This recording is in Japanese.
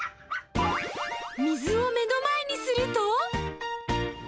水を目の前にすると。